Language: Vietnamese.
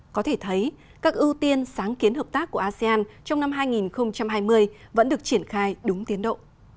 có thể thấy các ưu tiên sáng kiến hợp tác của asean trong năm hai nghìn hai mươi vẫn được triển khai đúng tiến độ